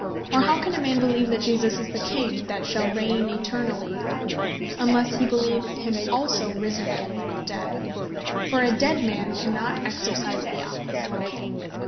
Or how can a man beleeve, that Jesus is the King that shall reign eternally, unlesse hee beleeve him also risen again from the dead? For a dead man cannot exercise the Office of a King.